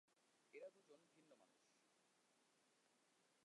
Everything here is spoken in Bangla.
এরা দুজন ভিন্ন মানুষ।